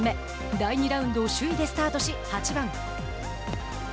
第２ラウンドを首位でスタートし８番。